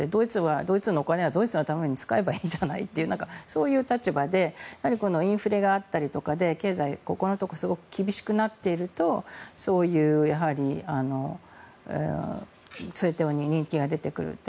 ドイツのお金はドイツのために使えばいいじゃないというそういう立場でインフレがあったりとかで経済、ここのところすごく厳しくなっているとそういう政党の人気が出てくると。